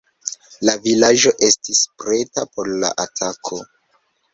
La vilaĝo estis preta por la atako.